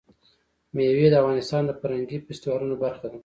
مېوې د افغانستان د فرهنګي فستیوالونو برخه ده.